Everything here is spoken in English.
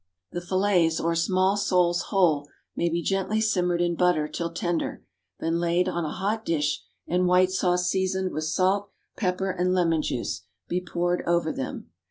The fillets, or small soles whole, may be gently simmered in butter till tender, then laid on a hot dish, and white sauce seasoned with salt, pepper, and lemon juice, be poured over them.